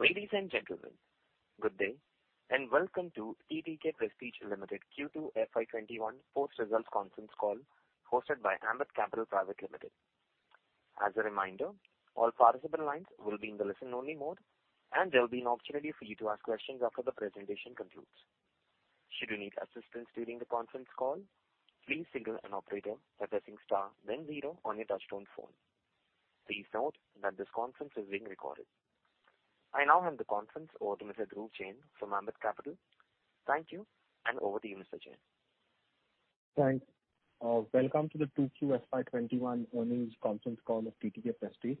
Ladies and gentlemen, good day, and welcome to TTK Prestige Limited Q2 FY21 post-results conference call, hosted by Ambit Capital Private Limited. As a reminder, all participant lines will be in the listen-only mode, and there will be an opportunity for you to ask questions after the presentation concludes. Should you need assistance during the conference call, please signal an operator by pressing star then zero on your touchtone phone. Please note that this conference is being recorded. I now hand the conference over to Mr. Dhruv Jain from Ambit Capital. Thank you, and over to you, Mr. Jain. Thanks. Welcome to the Q2 FY21 earnings conference call of TTK Prestige.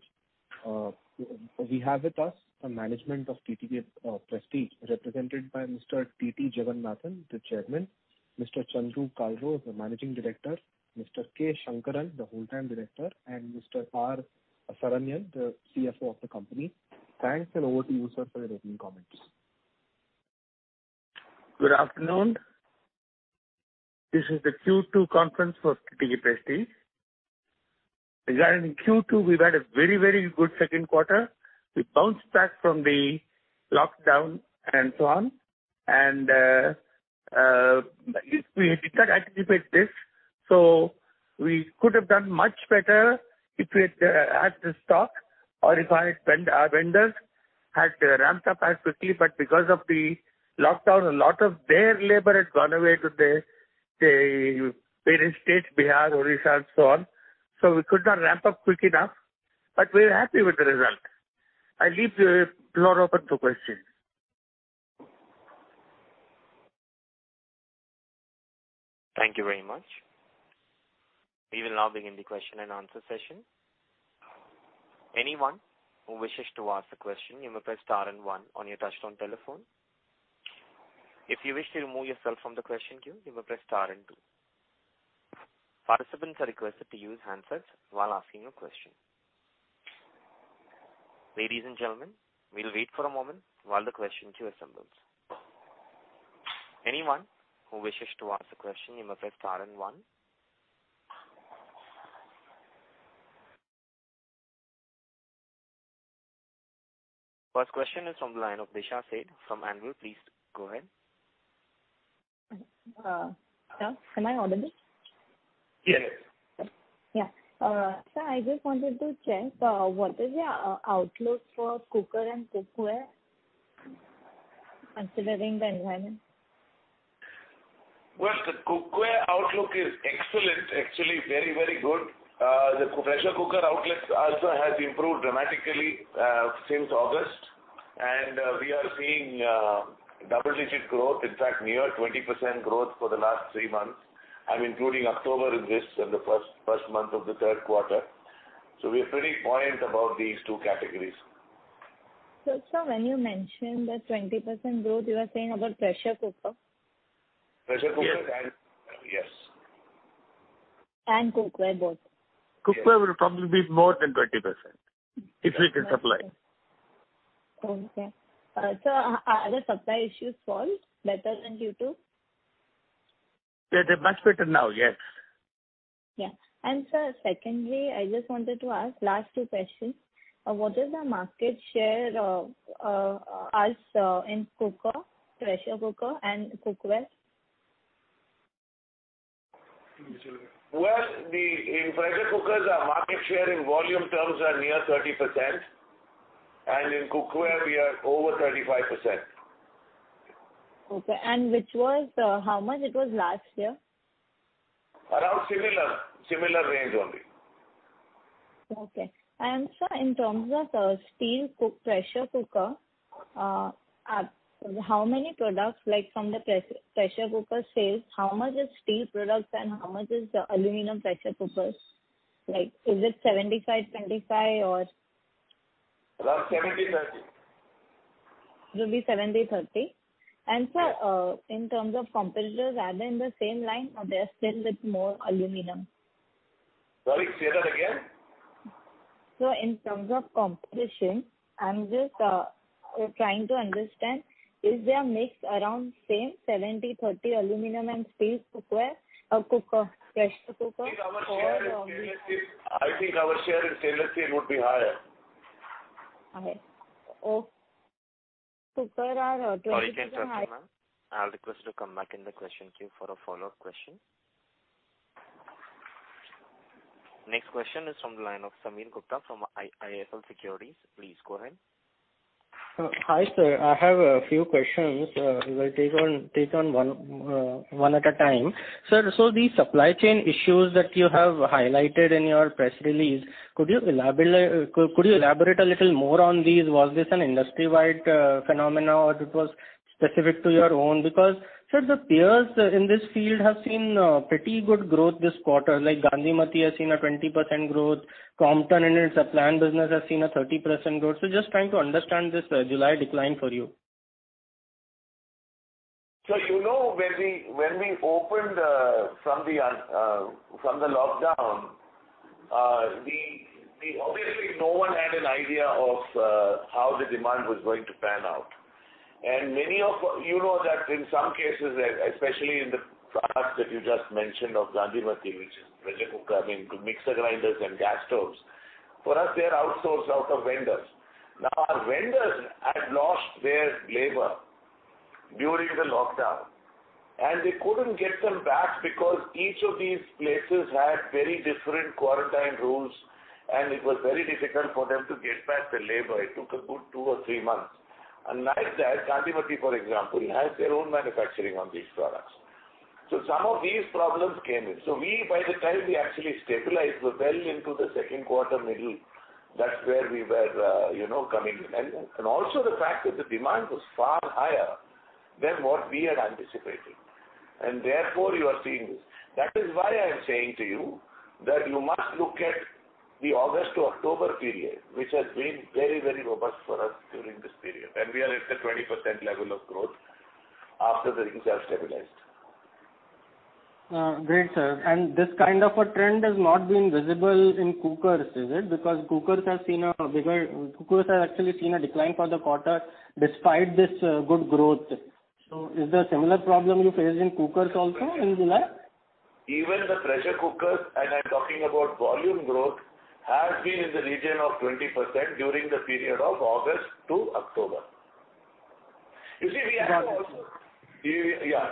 We have with us the management of TTK Prestige, represented by Mr. T.T. Jagannathan, the Chairman; Mr. Chandru Kalro, the Managing Director; Mr. K. Shankaran, the full-time Director; and Mr. R. Sarangan, the CFO of the company. Thanks, and over to you, sir, for your opening comments. Good afternoon. This is the Q2 conference for TTK Prestige. Regarding Q2, we've had a very, very good second quarter. We bounced back from the lockdown and so on, and we did not anticipate this, so, we could have done much better if we had had the stock or if our vendors had ramped up as quickly. But because of the lockdown, a lot of their labor had gone away to the various states, Bihar, Odisha, and so on. So, we could not ramp up quick enough, but we're happy with the result. I leave the floor open to questions. Thank you very much. We will now begin the question and answer session. Anyone who wishes to ask a question, you may press star and one on your touchtone telephone. If you wish to remove yourself from the question queue, you may press star and two. Participants are requested to use handsets while asking a question. Ladies and gentlemen, we'll wait for a moment while the question queue assembles. Anyone who wishes to ask a question, you may press star and one. First question is from the line of Disha Sheth from Ambit. Please go ahead. Sir, am I audible? Yes. Yeah. Sir, I just wanted to check, what is your outlook for cooker and cookware, considering the environment? Well, the cookware outlook is excellent, actually very, very good. The pressure cooker outlook also has improved dramatically since August, and we are seeing double-digit growth, in fact, near 20% growth for the last 3 months. I'm including October in this, in the first, first month of the third quarter. So, we're pretty buoyant about these two categories. So, sir, when you mentioned the 20% growth, you are saying about pressure cooker? Pressure cooker- Yes. Yes. Cookware, both? Yes. Cookware will probably be more than 20%, if we can supply. Okay. Sir, are the supply issues solved better than Q2? They're, they're much better now, yes. Yeah. Sir, secondly, I just wanted to ask last two questions. What is the market share of us in cooker, pressure cooker and cookware? Well, in pressure cookers, our market share in volume terms are near 30%, and in cookware, we are over 35%. Okay, and which was, how much it was last year? Around similar, similar range only. Okay. And sir, in terms of steel cooker pressure cooker, how many products, like, from the pressure cooker sales, how much is steel products and how much is the aluminum pressure cookers? Like, is it 75-25, or? Around seventy/thirty. Will be 70/30. Yeah. Sir, in terms of competitors, are they in the same line or they're still with more aluminum? Sorry, say that again? So, in terms of competition, I'm just trying to understand, is their mix around same 70-30 aluminum and steel cookware, cooker, pressure cooker or I think our share in stainless steel would be higher. Higher. Oh, cookware. Sorry to interrupt you, ma'am. I'll request you to come back in the question queue for a follow-up question. Next question is from the line of Sameer Gupta from IIFL Securities. Please go ahead. Hi, sir. I have a few questions. We will take one at a time. Sir, so the supply chain issues that you have highlighted in your press release, could you elaborate a little more on these? Was this an industry-wide phenomenon, or it was specific to your own? Because, sir, the peers in this field have seen pretty good growth this quarter, like Gandhimathi has seen a 20% growth, Crompton in its appliance business has seen a 30% growth. So, just trying to understand this July decline for you. So, you know, when we opened from the lockdown, we... Obviously, no one had an idea of how the demand was going to pan out. And many of you know that in some cases, especially in the products that you just mentioned of Gandhimathi, which is pressure cooker, I mean, mixer grinders and gas stoves, for us, they are outsourced out of vendors. Now, our vendors had lost their labor during the lockdown, and they couldn't get them back because each of these places had very different quarantine rules, and it was very difficult for them to get back the labor. It took a good two or three months. And like that, Gandhimathi, for example, has their own manufacturing on these products. So, some of these problems came in. So, we, by the time we actually stabilized, were well into the second quarter middle. That's where we were, you know, coming in. And, and also the fact that the demand was far higher than what we had anticipated, and therefore you are seeing this. That is why I am saying to you that you must look at the August to October period, which has been very, very robust for us during this period, and we are at a 20% level of growth after the things have stabilized. Great, sir. And this kind of a trend has not been visible in cookers, is it? Because cookers have actually seen a decline for the quarter despite this good growth. So, is there a similar problem you faced in cookers also in July? Even the pressure cookers, and I'm talking about volume growth, has been in the region of 20% during the period of August to October. You see, we have to also- Got it. Yeah.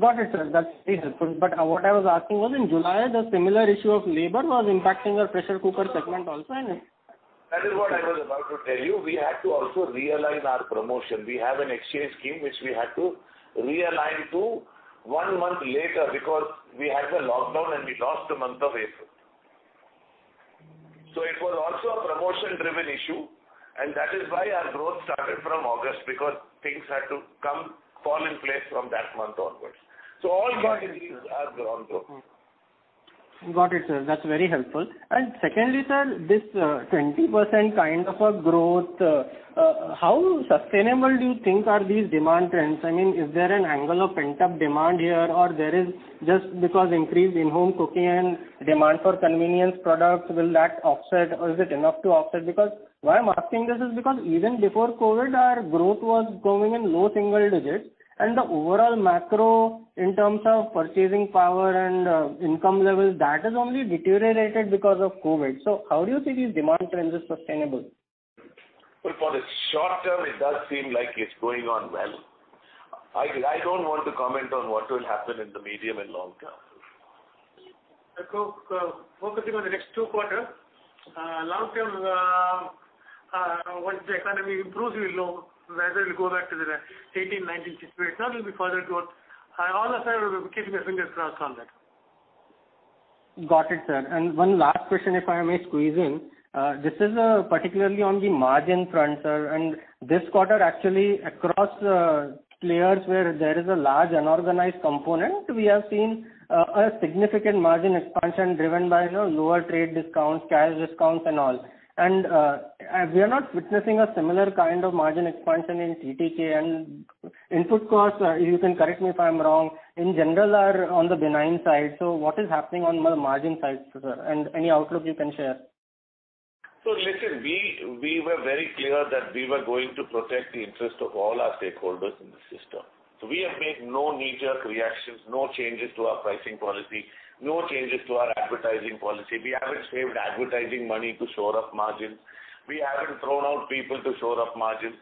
Got it, sir. That's very helpful. But what I was asking was, in July, the similar issue of labor was impacting our pressure cooker segment also, isn't it? That is what I was about to tell you. We had to also realign our promotion. We have an exchange scheme which we had to realign to one month later because we had the lockdown, and we lost the month of April. So, it was also a promotion-driven issue, and that is why our growth started from August, because things had to come, fall in place from that month onwards. So, all categories have grown though. Got it, sir. That's very helpful. And secondly, sir, this 20% kind of a growth, how sustainable do you think are these demand trends? I mean, is there an angle of pent-up demand here, or there is just because increased in-home cooking and demand for convenience products, will that offset or is it enough to offset? Because why I'm asking this is because even before COVID, our growth was growing in low single digits, and the overall macro in terms of purchasing power and income levels, that has only deteriorated because of COVID. So, how do you think these demand trends is sustainable? Well, for the short term, it does seem like it's going on well. I don't want to comment on what will happen in the medium and long term. Focusing on the next two quarters, long term, once the economy improves, we know measure will go back to the 18-19 situation. There will be further growth. I honestly, keeping my fingers crossed on that. Got it, sir. And one last question, if I may squeeze in. This is particularly on the margin front, sir, and this quarter, actually, across players where there is a large unorganized component, we have seen a significant margin expansion driven by, you know, lower trade discounts, cash discounts and all. And we are not witnessing a similar kind of margin expansion in TTK and input costs, you can correct me if I'm wrong, in general, are on the benign side. So, what is happening on the margin side, sir, and any outlook you can share? So, listen, we were very clear that we were going to protect the interest of all our stakeholders in the system. So, we have made no knee-jerk reactions, no changes to our pricing policy, no changes to our advertising policy. We haven't saved advertising money to shore up margins. We haven't thrown out people to shore up margins.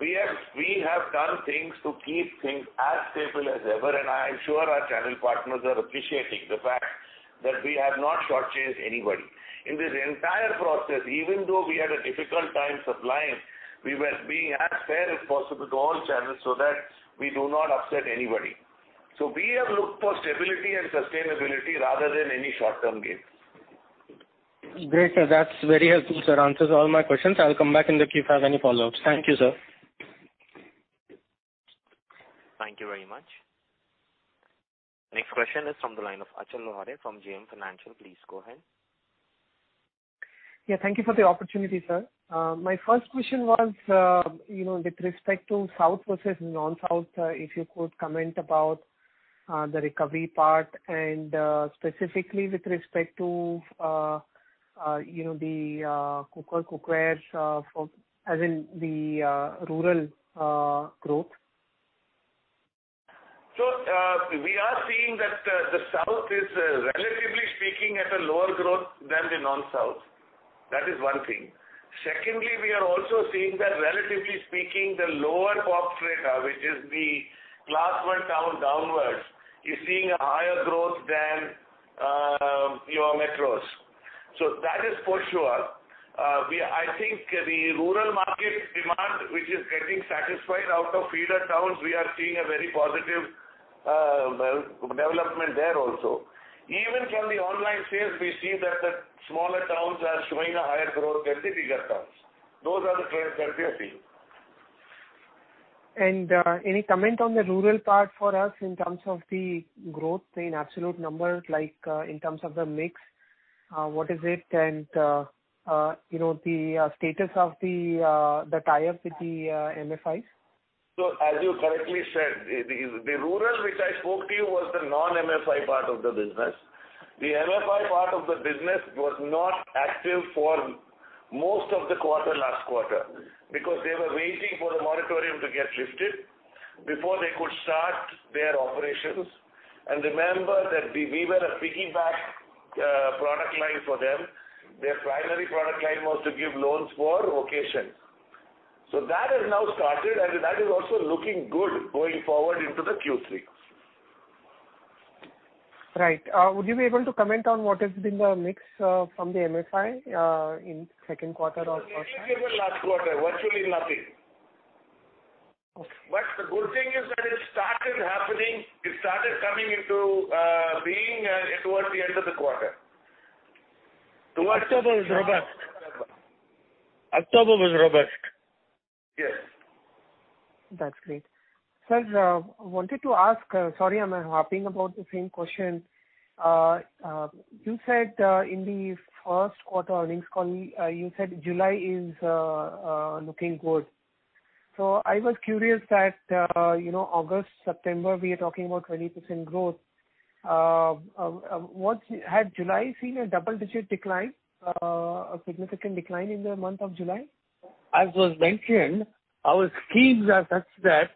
We have done things to keep things as stable as ever, and I am sure our channel partners are appreciating the fact that we have not shortchanged anybody. In this entire process, even though we had a difficult time supplying, we were being as fair as possible to all channels so that we do not upset anybody. So, we have looked for stability and sustainability rather than any short-term gains. Great, sir. That's very helpful, sir. Answers all my questions. I'll come back in the queue if I have any follow-ups. Thank you, sir. Thank you very much. Next question is from the line of Achal Lohade from JM Financial. Please go ahead. Yeah, thank you for the opportunity, sir. My first question was, you know, with respect to South versus Non-South, if you could comment about the recovery part and, specifically with respect to, you know, the cooker cookwares, for as in the rural growth. So, we are seeing that the South is, relatively speaking, at a lower growth than the non-South. That is one thing. Secondly, we are also seeing that, relatively speaking, the lower Pop Strata, which is the class one town downwards, is seeing a higher growth than your metros. So, that is for sure. We, I think the rural market demand, which is getting satisfied out of feeder towns, we are seeing a very positive, well, development there also. Even from the online sales, we see that the smaller towns are showing a higher growth than the bigger towns. Those are the trends that we are seeing. Any comment on the rural part for us in terms of the growth in absolute numbers, like, in terms of the mix, what is it? You know, the status of the tie-ups with the MFIs?... So, as you correctly said, the rural, which I spoke to you, was the non-MFI part of the business. The MFI part of the business was not active for most of the quarter last quarter, because they were waiting for the moratorium to get lifted before they could start their operations. And remember that we were a piggyback product line for them. Their primary product line was to give loans for vocation. So, that has now started, and that is also looking good going forward into the Q3. Right. Would you be able to comment on what has been the mix from the MFI in second quarter or first half? It was zero last quarter, virtually nothing. Okay. But the good thing is that it started happening, it started coming into being towards the end of the quarter. October was robust. October was robust. Yes. That's great. Sir, I wanted to ask... Sorry, I'm harping about the same question. You said, in the first quarter earnings call, you said July is looking good. So, I was curious that, you know, August, September, we are talking about 20% growth. What's-- had July seen a double-digit decline, a significant decline in the month of July? As was mentioned, our schemes are such that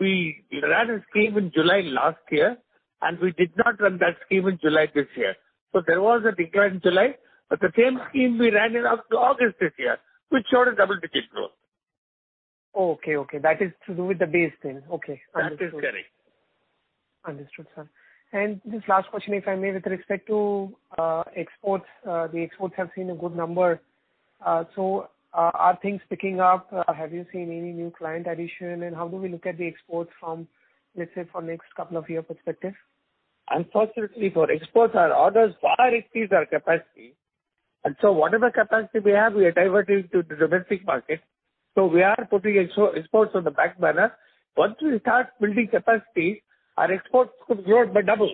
we ran a scheme in July last year, and we did not run that scheme in July this year. So, there was a decline in July, but the same scheme we ran in August this year, which showed a double-digit growth. Okay, okay, that is to do with the base then. Okay, understood. That is correct. Understood, sir. And just last question, if I may, with respect to exports. The exports have seen a good number. So, are things picking up, have you seen any new client addition? And how do we look at the exports from, let's say, for next couple of year perspective? Unfortunately, for exports, our orders far exceed our capacity, and so, whatever capacity we have, we are diverting to the domestic market. So, we are putting exports on the back burner. Once we start building capacity, our exports could grow by double.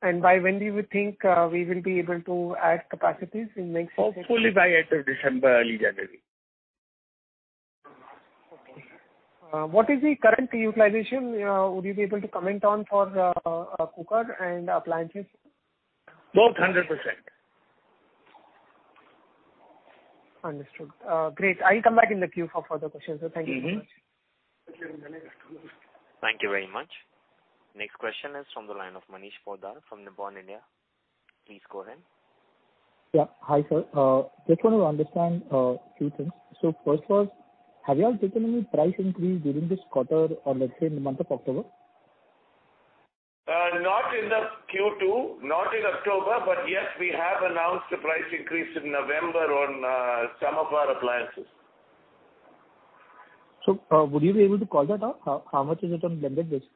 By when do you think we will be able to add capacities in next quarter? Hopefully by end of December, early January. Okay. What is the current utilization, would you be able to comment on for cooker and appliances? Both 100%. Understood. Great! I'll come back in the queue for further questions. Thank you very much. Mm-hmm. Thank you very much. Next question is from the line of Manish Poddar from Nippon India. Please go ahead. Yeah. Hi, sir. Just want to understand two things. So, first was, have you all taken any price increase during this quarter or, let's say, in the month of October? Not in the Q2, not in October, but yes, we have announced a price increase in November on some of our appliances. So, would you be able to call that out? How much is it on blended basis?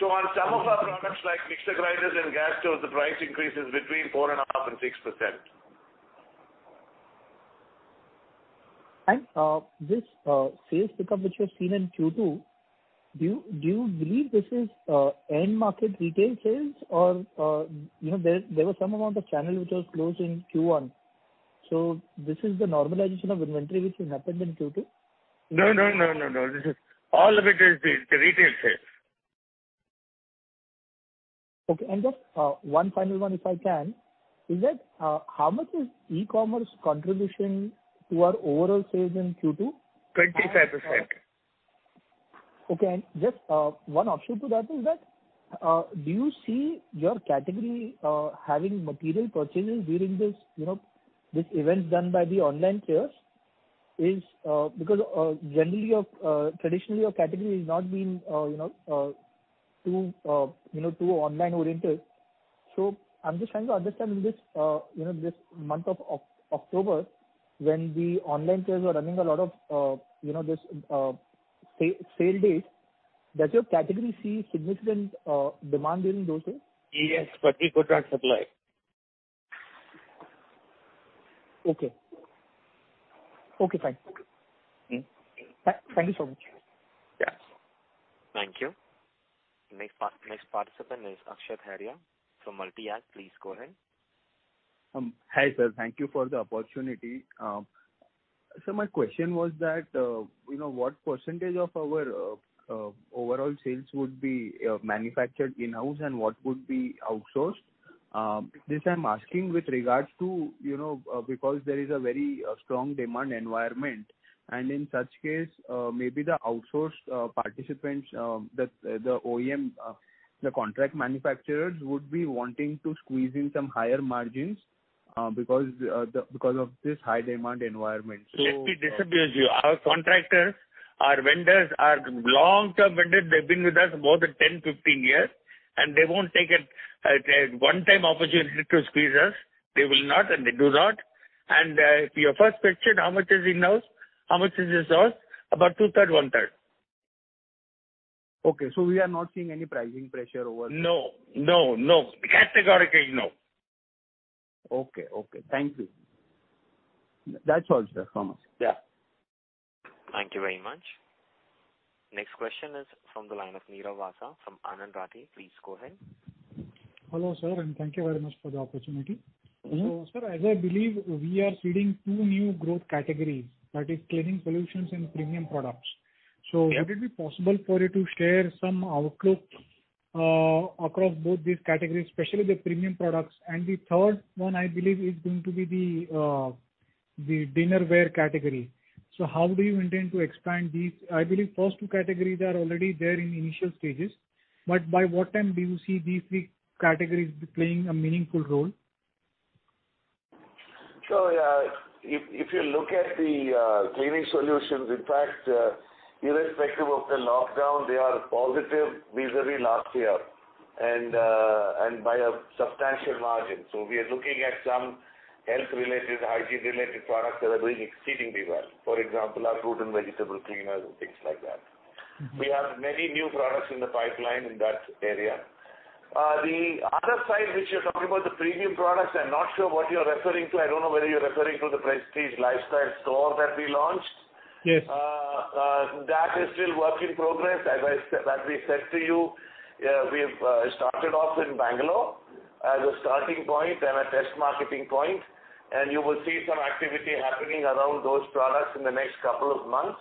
So, on some of our products, like mixer grinders and gas stoves, the price increase is between 4.5 and 6%. This sales pickup which was seen in Q2, do you believe this is end market retail sales or, you know, there was some amount of channel which was closed in Q1, so, this is the normalization of inventory which has happened in Q2? No, no, no, no, no. This is, all of it is the retail sales. Okay. Just one final one, if I can. Is that, how much is e-commerce contribution to our overall sales in Q2? Twenty-five percent. Okay. And just one offshoot to that is that do you see your category having material purchases during this, you know, this event done by the online players? Is it because generally your traditionally your category has not been, you know, too, you know, too online-oriented. So, I'm just trying to understand in this, you know, this month of October, when the online players were running a lot of, you know, this sale dates, does your category see significant demand during those days? Yes, but we could not supply. Okay. Okay, fine. Mm-hmm. Thank you so much. Yeah. Thank you. Next participant is Akshat Haria from Multi-Act. Please go ahead. Hi, sir. Thank you for the opportunity. So, my question was that, you know, what percentage of our overall sales would be manufactured in-house, and what would be outsourced? This I'm asking with regards to, you know, because there is a very strong demand environment, and in such case, maybe the outsourced participants, the OEM, the contract manufacturers would be wanting to squeeze in some higher margins, because of this high demand environment. So, - Let me disabuse you. Our contractors, our vendors are long-term vendors. They've been with us more than 10, 15 years, and they won't take it as a one-time opportunity to squeeze us. They will not, and they do not. And, to your first question, how much is in-house, how much is outsourced? About two-thirds, one-third. Okay, so, we are not seeing any pricing pressure over there. No, no, no. Categorically, no! Okay, okay. Thank you. That's all, sir, from us. Yeah. Thank you very much... Next question is from the line of Nirav Vasa from Anand Rathi. Please go ahead. Hello, sir, and thank you very much for the opportunity. Sir, as I believe, we are seeing two new growth categories, that is, cleaning solutions and premium products. Yes. Would it be possible for you to share some outlook across both these categories, especially the premium products? The third one, I believe, is going to be the dinnerware category. How do you intend to expand these? I believe first two categories are already there in initial stages. By what time do you see these three categories playing a meaningful role? So, if you look at the cleaning solutions, in fact, irrespective of the lockdown, they are positive vis-a-vis last year, and by a substantial margin. So, we are looking at some health-related, hygiene-related products that are doing exceedingly well. For example, our fruit and vegetable cleaners and things like that. Mm-hmm. We have many new products in the pipeline in that area. The other side, which you're talking about, the premium products, I'm not sure what you're referring to. I don't know whether you're referring to the Prestige Lifestyle store that we launched. Yes. That is still work in progress. As I said, as we said to you, we've started off in Bangalore as a starting point and a test marketing point, and you will see some activity happening around those products in the next couple of months.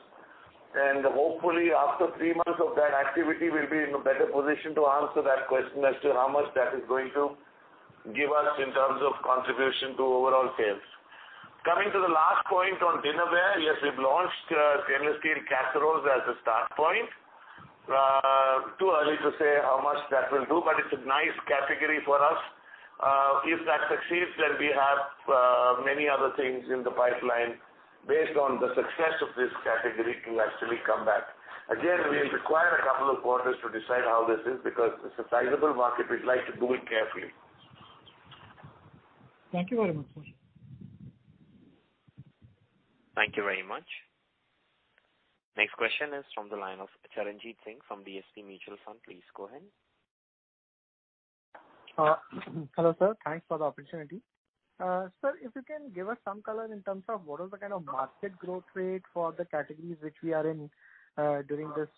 Hopefully, after three months of that activity, we'll be in a better position to answer that question as to how much that is going to give us in terms of contribution to overall sales. Coming to the last point on dinnerware, yes, we've launched stainless steel casseroles as a start point. Too early to say how much that will do, but it's a nice category for us. If that succeeds, then we have many other things in the pipeline based on the success of this category to actually come back. Again, we'll require a couple of quarters to decide how this is, because it's a sizable market. We'd like to do it carefully. Thank you very much, sir. Thank you very much. Next question is from the line of Charanjeet Singh from DSP Mutual Fund. Please go ahead. Hello, sir, thanks for the opportunity. Sir, if you can give us some color in terms of what is the kind of market growth rate for the categories which we are in, during this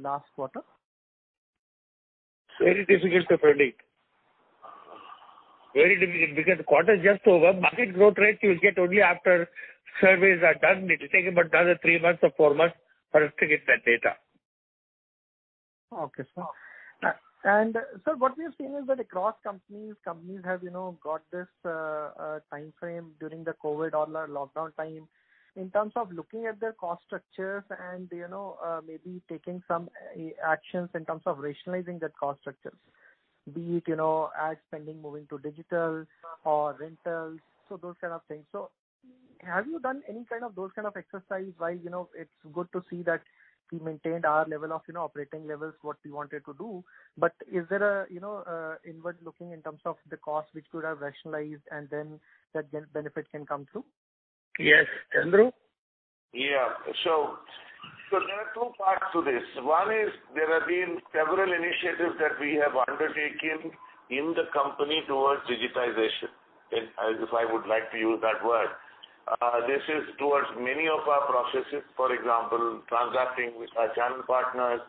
last quarter? Very difficult to predict. Very difficult, because the quarter is just over. Market growth rate you'll get only after surveys are done. It'll take about another 3 months or 4 months for us to get that data. Okay, sir. And sir, what we have seen is that across companies, companies have, you know, got this time frame during the COVID or the lockdown time in terms of looking at their cost structures and, you know, maybe taking some actions in terms of rationalizing their cost structures, be it, you know, ad spending moving to digital or rentals, so, those kind of things. So, have you done any kind of those kind of exercise, while, you know, it's good to see that we maintained our level of, you know, operating levels, what we wanted to do, but is there a, you know, inward looking in terms of the costs which could have rationalized and then that benefit can come through? Yes. Andrew? Yeah. So, so there are two parts to this. One is there have been several initiatives that we have undertaken in the company towards digitization, and if I would like to use that word. This is towards many of our processes, for example, transacting with our channel partners,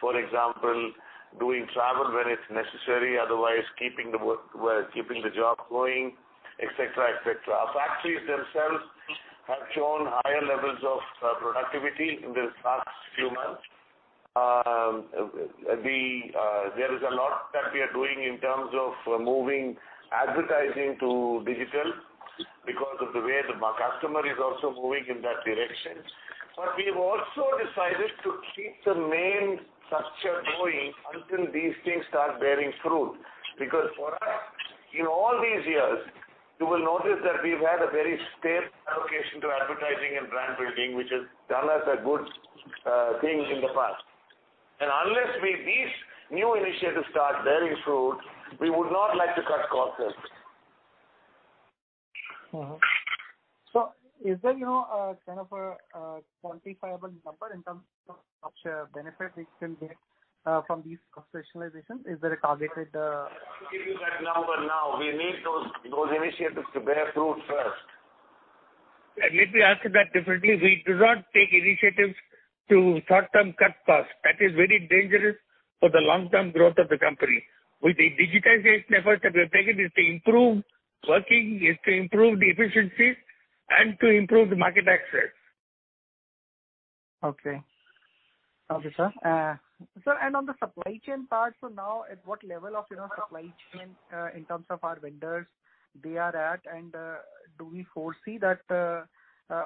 for example, doing travel when it's necessary, otherwise keeping the work, keeping the job going, et cetera, et cetera. Our factories themselves have shown higher levels of productivity in these last few months. There is a lot that we are doing in terms of moving advertising to digital because of the way the market customer is also moving in that direction. But we've also decided to keep the main structure going until these things start bearing fruit, because for us, in all these years, you will notice that we've had a very steep allocation to advertising and brand building, which has done us a good thing in the past. Unless we, these new initiatives start bearing fruit, we would not like to cut costs there. Uh-huh. So, is there, you know, kind of a quantifiable number in terms of the benefit we can get from these cost rationalizations? Is there a targeted, I can't give you that number now. We need those initiatives to bear fruit first. Let me answer that differently. We do not take initiatives to short-term cut costs. That is very dangerous for the long-term growth of the company. With the digitization efforts that we're taking, is to improve working, is to improve the efficiency and to improve the market access. Okay. Okay, sir. Sir, and on the supply chain part, so now at what level of, you know, supply chain in terms of our vendors they are at, and do we foresee that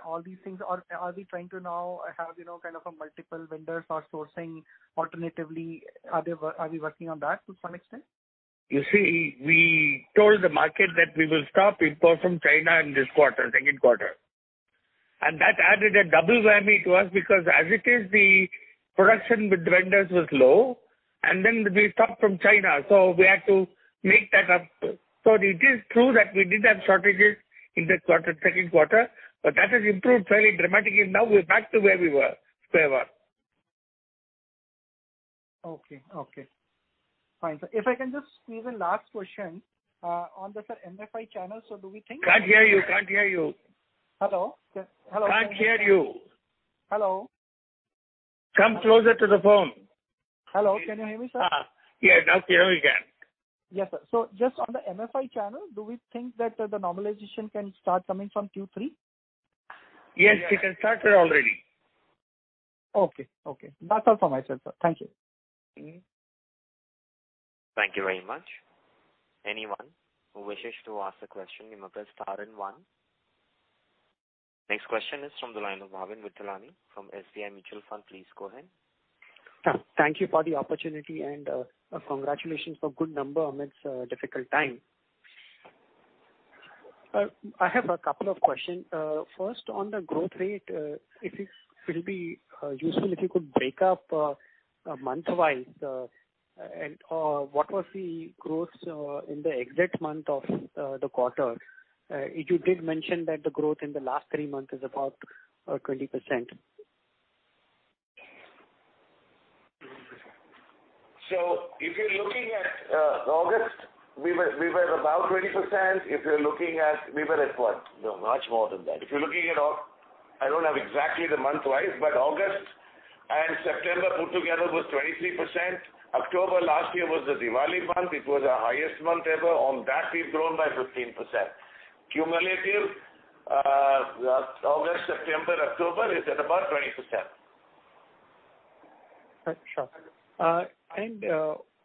all these things? Or are we trying to now have, you know, kind of a multiple vendors or sourcing alternatively? Are we working on that to some extent? You see, we told the market that we will stop import from China in this quarter, second quarter. That added a double whammy to us, because as it is, the production with vendors was low, and then we stopped from China, so, we had to make that up. It is true that we did have shortages in the quarter, second quarter, but that has improved fairly dramatically. Now we're back to where we were, square one.... Okay, okay. Fine, sir. If I can just squeeze in last question, on the MFI channel. So, do we think- Can't hear you, can't hear you. Hello? Hello. Can't hear you. Hello. Come closer to the phone. Hello, can you hear me, sir? Yeah, now clear, we can. Yes, sir. So, just on the MFI channel, do we think that the normalization can start coming from Q3? Yes, it has started already. Okay, okay. That's all for myself, sir. Thank you. Thank you very much. Anyone who wishes to ask a question, you may press star and one. Next question is from the line of Bhavin Vitlani from SBI Mutual Fund. Please go ahead. Yeah, thank you for the opportunity and, congratulations for good number amidst difficult time. I have a couple of questions. First, on the growth rate, if it will be useful, if you could break up month-wise, and what was the growth in the exit month of the quarter? You did mention that the growth in the last three months is about 20%. So, if you're looking at August, we were about 20%. If you're looking at... We were at what? No, much more than that. If you're looking at August, I don't have exactly the month-wise, but August and September put together was 23%. October last year was the Diwali month. It was our highest month ever. On that, we've grown by 15%. Cumulative, August, September, October, is at about 20%. Sure. And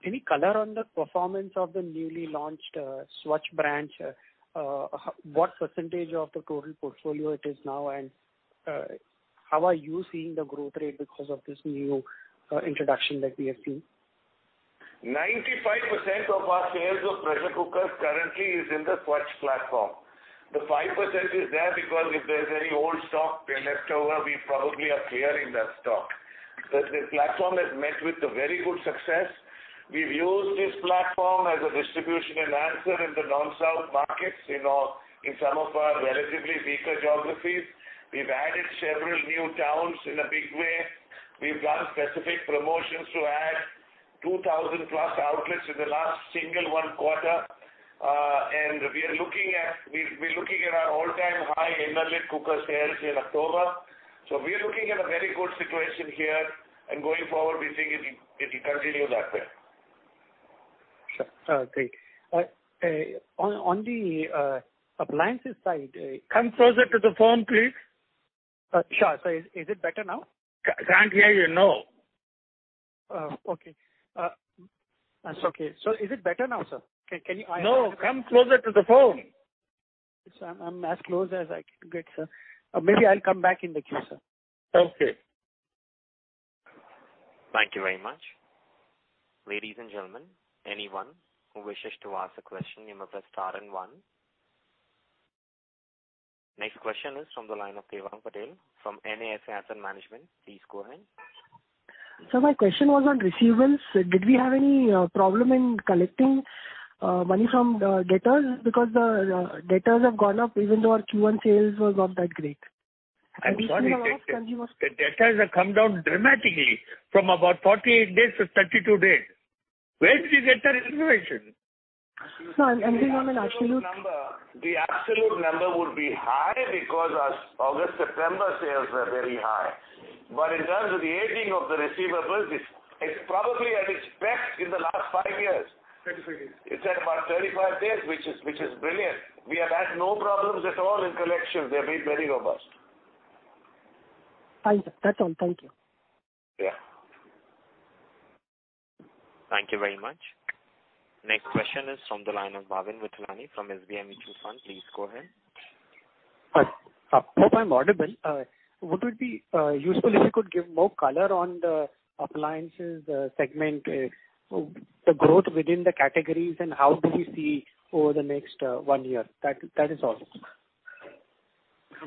any color on the performance of the newly launched Svachh brand? What percentage of the total portfolio it is now, and how are you seeing the growth rate because of this new introduction that we have seen? 95% of our sales of pressure cookers currently is in the Svachh platform. The 5% is there because if there's any old stock left over, we probably are clearing that stock. The platform has met with a very good success. We've used this platform as a distribution enhancer in the non-south markets, in all, in some of our relatively weaker geographies. We've added several new towns in a big way. We've done specific promotions to add 2,000+ outlets in the last single one quarter. And we are looking at, we, we're looking at our all-time high energy cooker sales in October. So, we are looking at a very good situation here, and going forward, we think it will, it will continue that way. Sure. Great. On the appliances side, Come closer to the phone, please. Sure. So, is it better now? Can't hear you, no. Oh, okay. That's okay. So, is it better now, sir? Can, can you- No, come closer to the phone. Sir, I'm as close as I can get, sir. Maybe I'll come back in the queue, sir. Okay. Thank you very much. Ladies and gentlemen, anyone who wishes to ask a question, you may press star and one. Next question is from the line of Devang Patel from NAFA Asset Managers. Please go ahead. Sir, my question was on receivables. Did we have any problem in collecting money from the debtors? Because the debtors have gone up, even though our Q1 sales was not that great. I'm sorry, the debtors have come down dramatically from about 48 days to 32 days. Where did you get that information? Sir, I'm doing on an absolute- The absolute number would be high because our August, September sales were very high. But in terms of the aging of the receivables, it's probably at its best in the last five years. 35 days. It's at about 35 days, which is brilliant. We have had no problems at all in collections. They've been very robust. Thank you. That's all. Thank you. Yeah. Thank you very much. Next question is from the line of Bhavin Vitlani from SBI Mutual Fund. Please go ahead. Hope I'm audible. Would it be useful if you could give more color on the appliances segment, the growth within the categories and how do you see over the next one year? That, that is all. I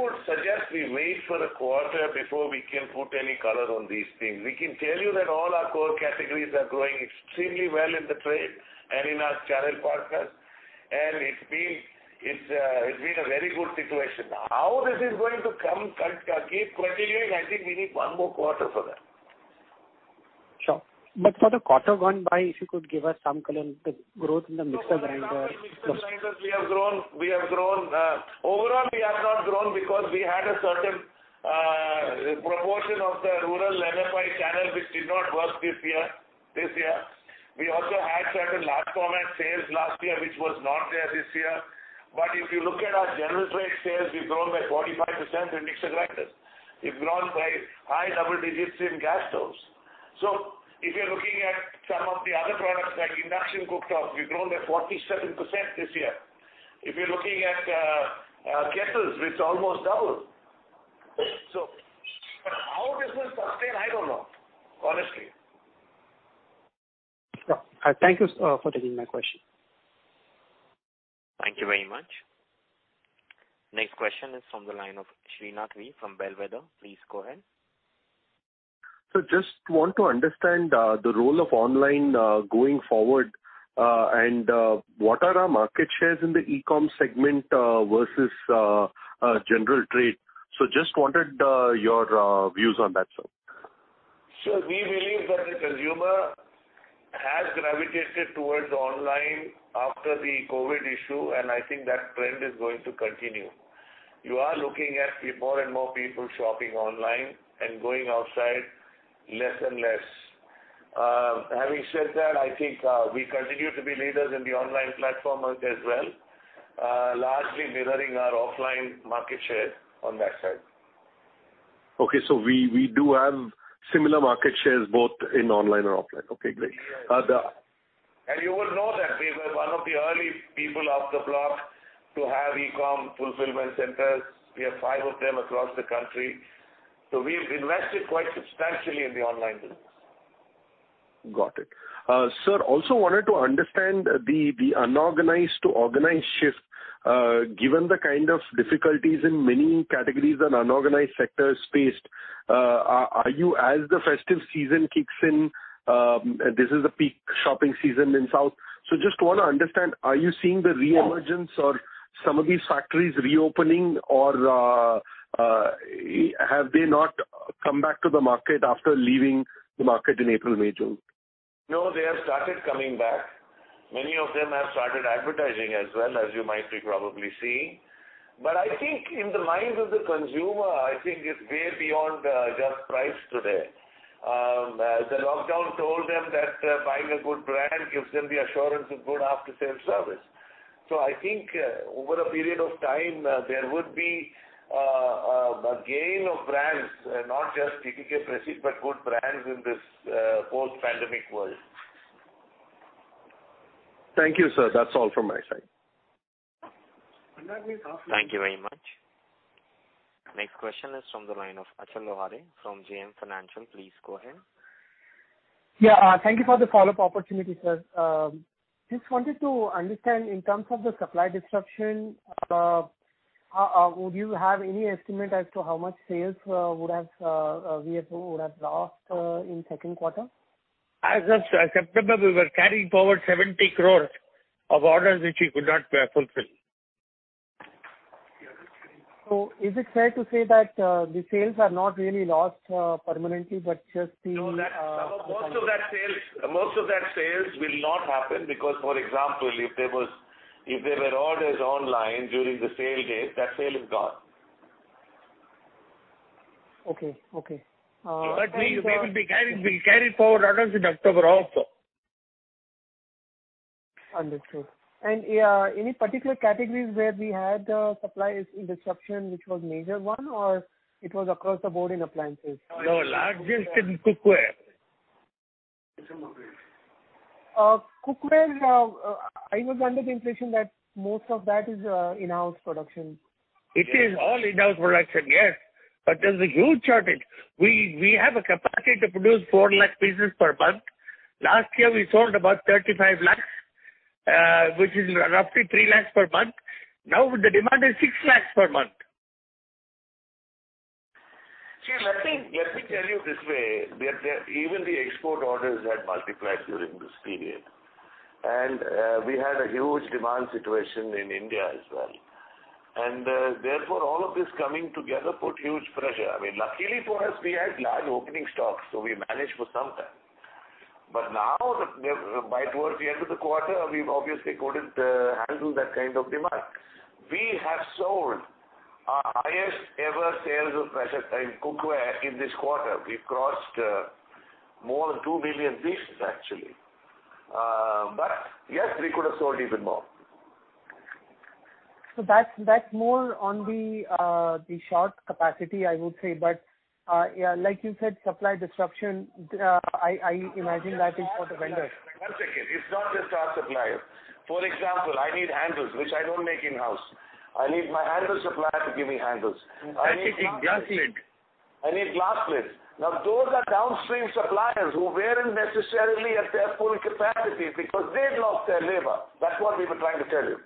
would suggest we wait for a quarter before we can put any color on these things. We can tell you that all our core categories are growing extremely well in the trade and in our channel partners, and it's been a very good situation. How this is going to continue, I think we need one more quarter for that. Sure. But for the quarter gone by, if you could give us some color on the growth in the mixer grinder? We have grown, we have grown, overall, we have not grown because we had a certain, proportion of the rural MFI channel, which did not work this year, this year. We also had certain large format sales last year, which was not there this year. But if you look at our general trade sales, we've grown by 45% in mixer grinders. We've grown by high double digits in gas stoves. So, if you're looking at some of the other products, like induction cooktops, we've grown by 47% this year. If you're looking at, kettles, it's almost double. So, how this will sustain, I don't know, honestly. Sure. Thank you for taking my question. Thank you very much. Next question is from the line of Shrinath V from Bellwether. Please go ahead. Just want to understand the role of online going forward. What are our market shares in the e-com segment versus general trade? So, just wanted your views on that, sir. So, we believe that the consumer has gravitated towards online after the COVID issue, and I think that trend is going to continue. You are looking at more and more people shopping online and going outside less and less. Having said that, I think, we continue to be leaders in the online platform as well, largely mirroring our offline market share on that side. Okay, so, we do have similar market shares both in online and offline. Okay, great. Yes. Uh, the- You will know that we were one of the early people off the block to have e-com fulfillment centers. We have five of them across the country, so, we've invested quite substantially in the online business. Got it. Sir, also wanted to understand the unorganized to organized shift. Given the kind of difficulties in many categories and unorganized sectors faced, are you, as the festive season kicks in, this is the peak shopping season in South. So, just want to understand, are you seeing the reemergence or some of these factories reopening, or have they not come back to the market after leaving the market in April, May, June? No, they have started coming back. Many of them have started advertising as well as you might be probably seeing. But I think in the minds of the consumer, I think it's way beyond just price today. The lockdown told them that buying a good brand gives them the assurance of good after-sales service. So, I think over a period of time a gain of brands, not just TTK Prestige, but good brands in this post-pandemic world. Thank you, sir. That's all from my side. Thank you very much. Next question is from the line of Achal Lohade from JM Financial. Please go ahead. Yeah, thank you for the follow-up opportunity, sir. Just wanted to understand in terms of the supply disruption, would you have any estimate as to how much sales we would have lost in second quarter? As of September, we were carrying forward 70 crore of orders, which we could not fulfill. So is it fair to say that the sales are not really lost permanently, but just the- No, that most of that sales, most of that sales will not happen, because, for example, if there was... If there were orders online during the sale date, that sale is gone. Okay. Okay, But we will be carrying forward orders in October also. Understood. And, yeah, any particular categories where we had supplies interruption, which was major one, or it was across the board in appliances? No, largest in cookware. Cookware, I was under the impression that most of that is in-house production. It is all in-house production, yes, but there's a huge shortage. We have a capacity to produce 400,000 pieces per month. Last year, we sold about 3,500,000, which is roughly 300,000 per month. Now, the demand is 600,000 per month. See, let me tell you this way, the even the export orders had multiplied during this period, and we had a huge demand situation in India as well. And therefore, all of this coming together put huge pressure. I mean, luckily for us, we had large opening stocks, so we managed for some time. But now, towards the end of the quarter, we obviously couldn't handle that kind of demand. We have sold our highest ever sales of pressure cookware in this quarter. We've crossed more than 2 million pieces, actually. But yes, we could have sold even more. So, that's more on the short capacity, I would say. But yeah, like you said, supply disruption. I imagine that is for the vendors. One second. It's not just our suppliers. For example, I need handles, which I don't make in-house. I need my handle supplier to give me handles. I need glass plates. I need glass plates. Now, those are downstream suppliers who weren't necessarily at their full capacity because they lost their labor. That's what we were trying to tell you.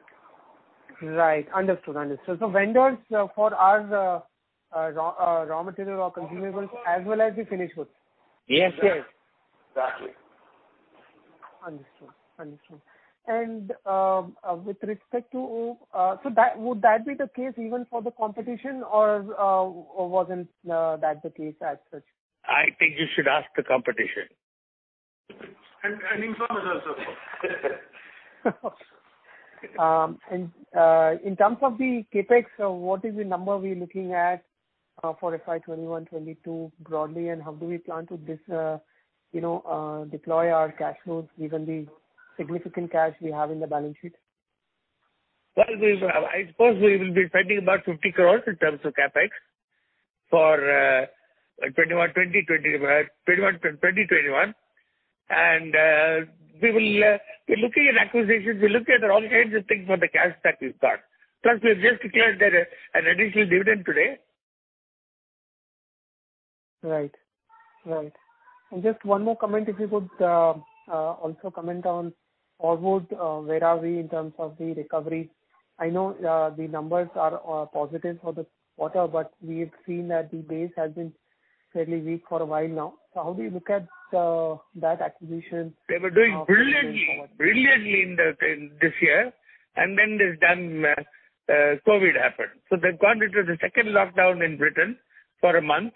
Right. Understood. Understood. So, vendors for our raw material or consumables as well as the finished goods? Yes, yes. Exactly. Understood. Understood. And with respect to... So, that, would that be the case even for the competition or, or wasn't that the case as such? I think you should ask the competition. And inform us also. In terms of the CapEx, what is the number we're looking at for FY21, FY22 broadly, and how do we plan to, you know, deploy our cash flows, given the significant cash we have in the balance sheet? Well, I suppose we will be spending about 50 crore in terms of CapEx for 2021. And, we're looking at acquisitions, we're looking at all kinds of things for the cash that we've got. Plus, we've just declared that an additional dividend today. Right. Right. And just one more comment, if you could, also comment on forward, where are we in terms of the recovery? I know, the numbers are, positive for the quarter, but we've seen that the base has been fairly weak for a while now. So, how do you look at, that acquisition? They were doing brilliantly, brilliantly in the, in this year, and then this damn, COVID happened. So, they've gone into the second lockdown in Britain for a month,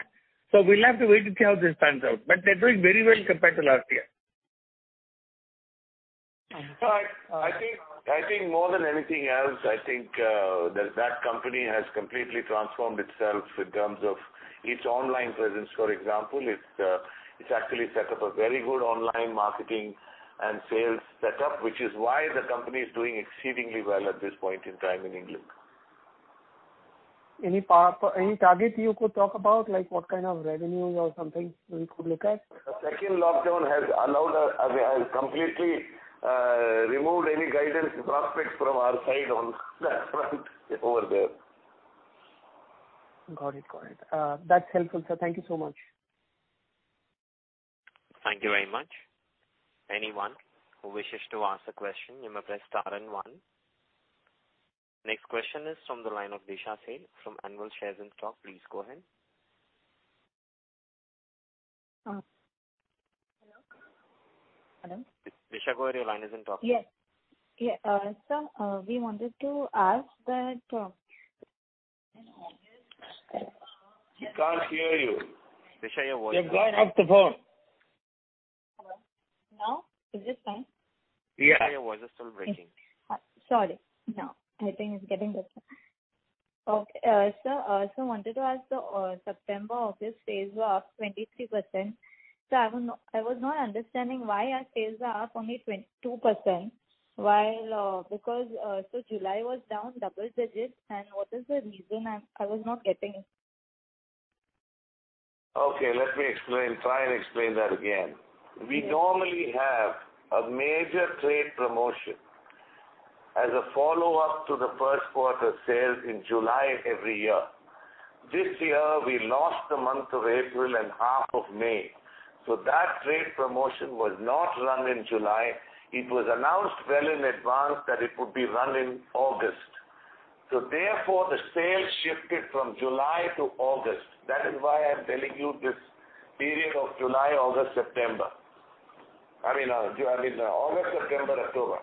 so, we'll have to wait to see how this pans out, but they're doing very well compared to last year. I think, I think more than anything else, I think that that company has completely transformed itself in terms of its online presence. For example, it's actually set up a very good online marketing and sales setup, which is why the company is doing exceedingly well at this point in time in England. Any targets you could talk about? Like, what kind of revenues or something we could look at? The second lockdown has allowed us, I mean, has completely removed any guidance prospects from our side on that front over there. Got it. Got it. That's helpful, sir. Thank you so much. Thank you very much. Anyone who wishes to ask a question, you may press star and one. Next question is from the line of Disha Shah from Anvil Share and Stock. Please go ahead. Hello? Hello. Disha, go ahead. Your line is on talk. Yes. Yeah, sir, we wanted to ask that... We can't hear you. Disha, your voice- You've gone off the phone. Hello. Now, is it fine? Yeah, your voice is still breaking. Sorry. Now, I think it's getting better. Okay, sir, so wanted to ask, September, August sales were up 23%. So, I was not, I was not understanding why our sales are up only 22%, while... Because so July was down double digits, and what is the reason? I, I was not getting it. Okay, let me explain, try and explain that again. Yes. We normally have a major trade promotion as a follow-up to the first quarter sales in July every year. This year, we lost the month of April and half of May, so that trade promotion was not run in July. It was announced well in advance that it would be run in August. So, therefore, the sales shifted from July to August. That is why I'm telling you this period of July, August, September. I mean, I mean, August, September, October.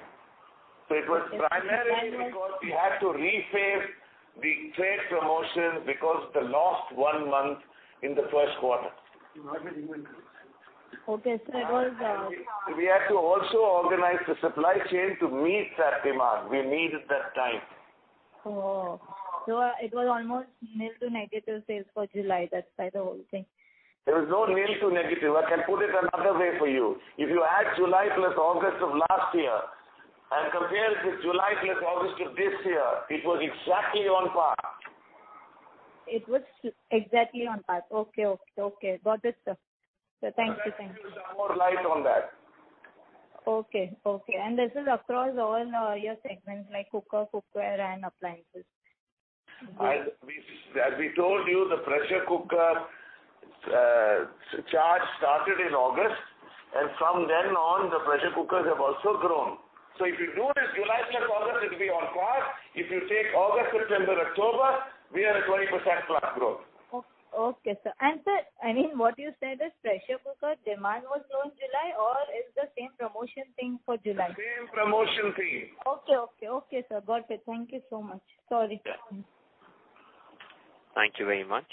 Okay. It was primarily because we had to rephase the trade promotion because of the lost one month in the first quarter. Okay, so it was, We had to also organize the supply chain to meet that demand. We needed that time. Oh, so it was almost nil to negative sales for July, that's why the whole thing. There was no nil to negative. I can put it another way for you. If you add July plus August of last year and compare it with July plus August of this year, it was exactly on par. It was exactly on par. Okay, okay. Okay, got it, sir. So, thank you, thank you. I'm trying to shed more light on that. Okay, okay. This is across all, your segments, like cooker, cookware, and appliances? We, as we told you, the pressure cooker charge started in August, and from then on, the pressure cookers have also grown. So, if you do this July plus August, it'll be on par. If you take August, September, October, we are at 20%+ growth. Okay, sir. Sir, I mean, what you said is pressure cooker demand was low in July, or it's the same promotion thing for July? The same promotion thing. Okay, okay. Okay, sir. Got it. Thank you so much. Sorry. Thank you very much.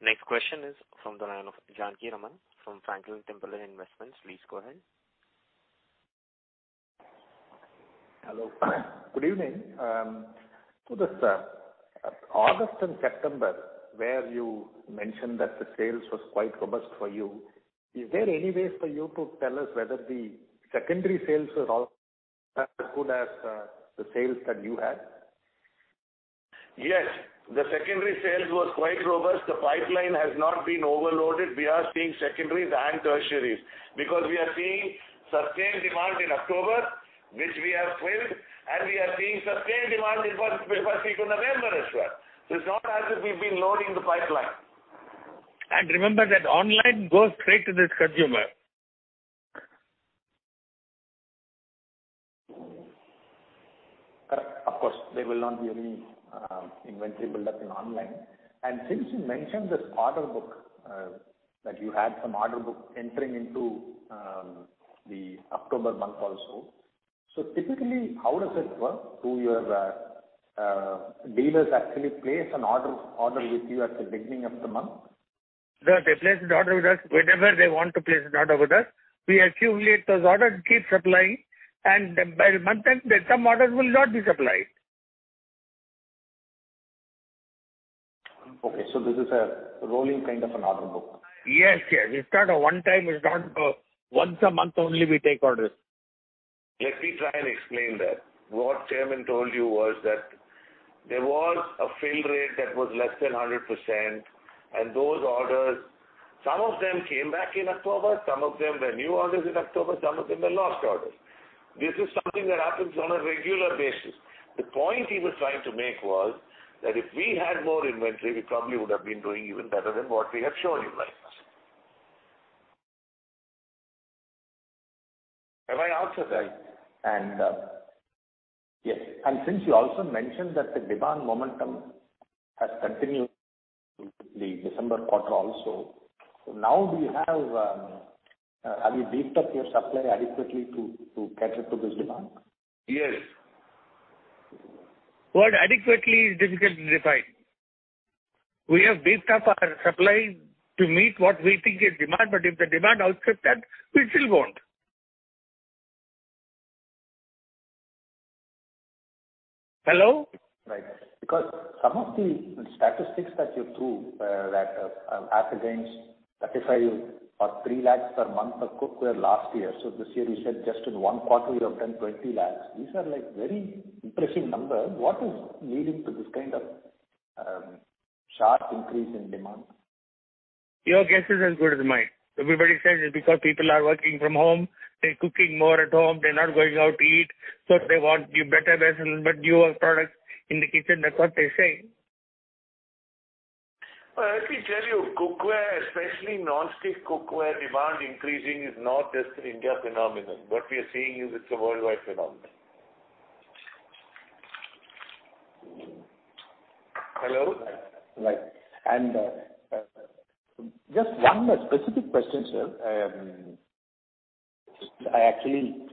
Next question is from the line of Janakiraman R from Franklin Templeton Investments. Please go ahead. Hello. Good evening. So this August and September, where you mentioned that the sales was quite robust for you, is there any ways for you to tell us whether the secondary sales were all as good as the sales that you had? Yes, the secondary sales was quite robust. The pipeline has not been overloaded. We are seeing secondaries and tertiaries, because we are seeing sustained demand in October, which we have filled, and we are seeing sustained demand in what we foresee to November as well. It's not as if we've been loading the pipeline. Remember that online goes straight to the consumer. Correct. Of course, there will not be any inventory built up in online. And since you mentioned this order book, that you had some order book entering into the October month also, so typically, how does it work? Do your dealers actually place an order with you at the beginning of the month? No, they place the order with us whenever they want to place an order with us. We accumulate those orders, keep supplying, and by the month end, some orders will not be supplied. Okay, so this is a rolling kind of an order book? Yes, yes. It's not a one-time, it's not, once a month only we take orders. Let me try and explain that. What the Chairman told you was that there was a fill rate that was less than 100%, and those orders, some of them came back in October, some of them were new orders in October, some of them were lost orders. This is something that happens on a regular basis. The point he was trying to make was that if we had more inventory, we probably would have been doing even better than what we have shown.... May I also say, and yes, and since you also mentioned that the demand momentum has continued the December quarter also, so now, have you beefed up your supply adequately to, to cater to this demand? Yes. Well, adequately is difficult to define. We have beefed up our supply to meet what we think is demand, but if the demand outstrips that, we still won't. Hello? Right. Because some of the statistics that you proved, that, as against 35 or 3 lakhs per month of cookware last year, so this year you said just in one quarter, you have done 20 lakhs. These are, like, very impressive numbers. What is leading to this kind of sharp increase in demand? Your guess is as good as mine. Everybody says it's because people are working from home, they're cooking more at home, they're not going out to eat, so they want the better vessel, but newer products in the kitchen. That's what they're saying. Well, let me tell you, cookware, especially non-stick cookware, demand increasing is not just an India phenomenon. What we are seeing is it's a worldwide phenomenon. Hello? Right. Just one specific question, sir. I actually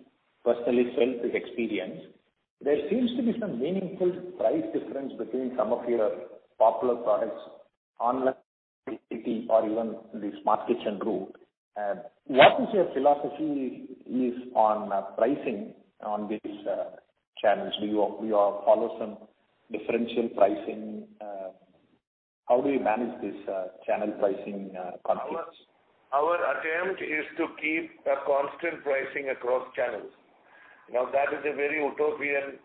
personally felt this experience. There seems to be some meaningful price difference between some of your popular products online or even the Smart Kitchen route. What is your philosophy is on pricing on this challenge? Do you, do you follow some differential pricing... How do you manage this channel pricing conflicts? Our attempt is to keep a constant pricing across channels. Now, that is a very utopian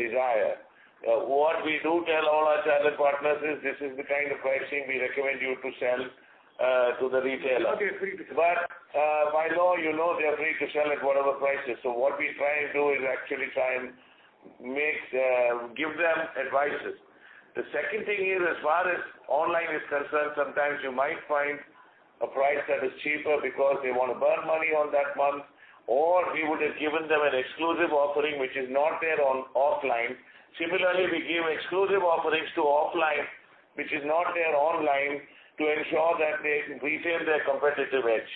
desire. What we do tell all our channel partners is, "This is the kind of pricing we recommend you to sell to the retailer. But they are free to- But, by law, you know, they are free to sell at whatever prices. So, what we try and do is actually try and make, give them advice. The second thing is, as far as online is concerned, sometimes you might find a price that is cheaper because they want to burn money on that month, or we would have given them an exclusive offering, which is not there on offline. Similarly, we give exclusive offerings to offline, which is not there online, to ensure that they retain their competitive edge.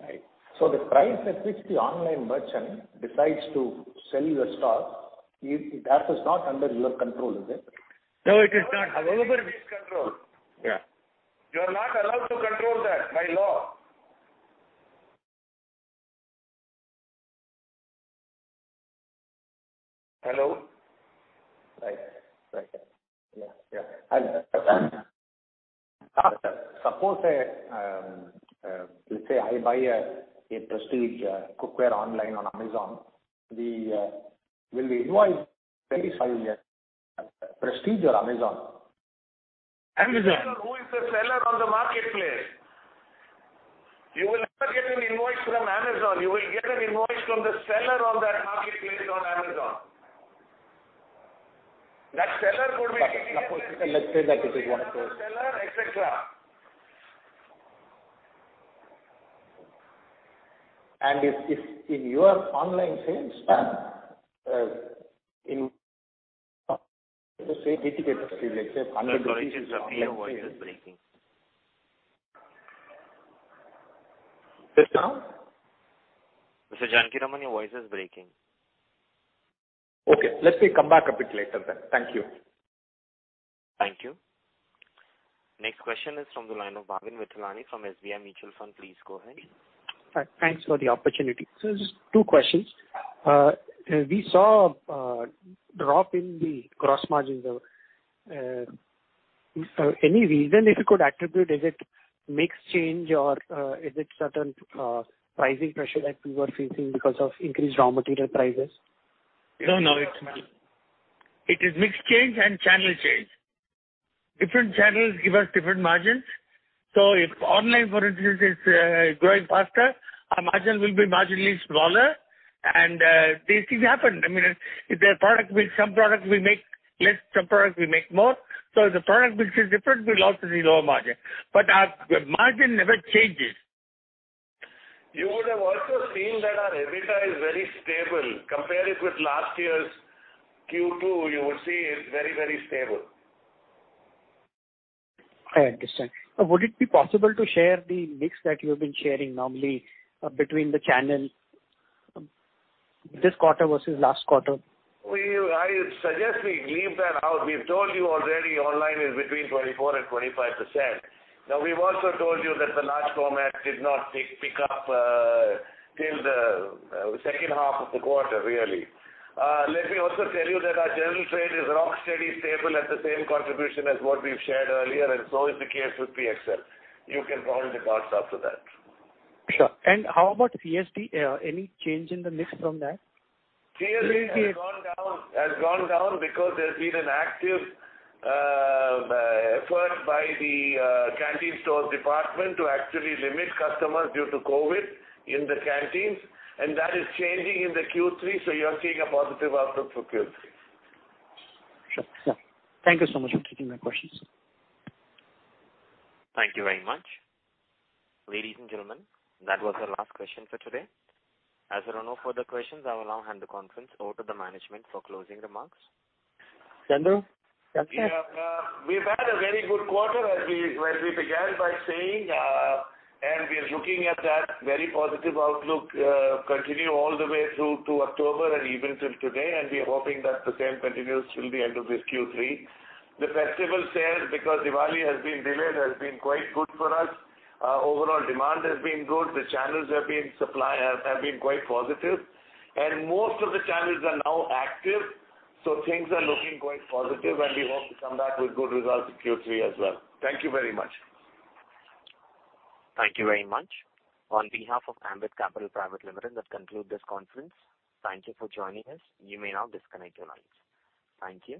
Right. So, the price at which the online merchant decides to sell your stock, that is not under your control, is it? No, it is not. However, it is controlled. Yeah. You are not allowed to control that by law. Hello? Right. Right. Yeah, yeah. And, suppose, let's say I buy a Prestige cookware online on Amazon, the... Will the invoice specify as Prestige or Amazon? Amazon. Depends on who is the seller on the marketplace. You will never get an invoice from Amazon. You will get an invoice from the seller on that marketplace on Amazon. That seller could be- Okay. Now, let's say that it is one of those. Seller, et cetera. If in your online sales, let's say 80 case study, let's say 100- Sorry, sir, your voice is breaking. Sir, now? Mr. Janakiraman, your voice is breaking. Okay. Let me come back a bit later then. Thank you. Thank you. Next question is from the line of Bhavin Vithlani from SBI Mutual Fund. Please go ahead. Thanks for the opportunity. So, just two questions. We saw drop in the gross margins. Any reason if you could attribute, is it mix change or is its certain pricing pressure that you are facing because of increased raw material prices? No, no, it's not. It is mixing change and channel change. Different channels give us different margins, so if online, for instance, is growing faster, our margin will be marginally smaller, and these things happen. I mean, if their product mix, some products we make less, some products we make more. So, if the product mix is different, we'll also see lower margin, but our margin never changes. You would have also seen that our EBITDA is very stable. Compare it with last year's Q2, you would see it's very, very stable. I understand. Would it be possible to share the mix that you've been sharing normally between the channels this quarter versus last quarter? I suggest we leave that out. We've told you already, online is between 24% and 25%. Now, we've also told you that the large format did not pick up till the second half of the quarter, really. Let me also tell you that our general trade is rock steady, stable, at the same contribution as what we've shared earlier, and so is the case with PXL. You can draw the parts after that. Sure. And how about CSD? Any change in the mix from that? CSD has gone down, has gone down because there's been an active effort by the canteen store department to actually limit customers due to COVID in the canteens, and that is changing in the Q3, so you are seeing a positive outlook for Q3. Sure. Yeah. Thank you so much for taking my questions. Thank you very much. Ladies and gentlemen, that was the last question for today. As there are no further questions, I will now hand the conference over to the management for closing remarks. Chandu? Yeah. We've had a very good quarter, as we, as we began by saying, and we are looking at that very positive outlook, continue all the way through to October and even till today, and we are hoping that the same continues till the end of this Q3. The festival sales, because Diwali has been delayed, has been quite good for us. Overall demand has been good. The channels have been, supply, have been quite positive, and most of the channels are now active, so, things are looking quite positive, and we hope to come back with good results in Q3 as well. Thank you very much. Thank you very much. On behalf of Ambit Capital Private Limited, let's conclude this conference. Thank you for joining us. You may now disconnect your lines. Thank you.